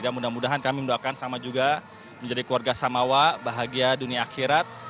dan mudah mudahan kami minta sama juga menjadi keluarga samawa bahagia dunia akhirat